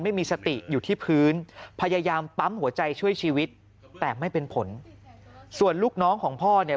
ไม่มีสติอยู่ที่พื้นพยายามปั๊มหัวใจช่วยชีวิตแต่ไม่เป็นผลส่วนลูกน้องของพ่อเนี่ย